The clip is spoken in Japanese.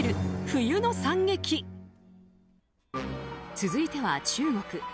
続いては中国。